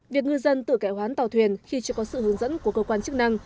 việc ngư dân tự cải hoán tàu thuyền khi chưa có sự hướng dẫn của cơ quan chức năng